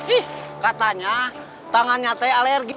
ih katanya tangannya tapi alergi